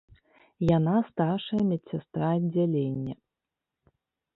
Яна старшая медсястра аддзялення.